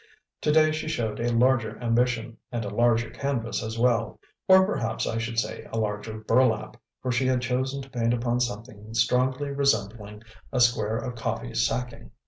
Today she showed a larger ambition, and a larger canvas as well or, perhaps I should say a larger burlap, for she had chosen to paint upon something strongly resembling a square of coffee sacking.